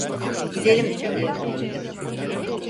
"Gidelim!" diye bağırdı.